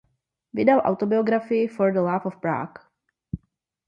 Vydal autobiografii "For the Love of Prague".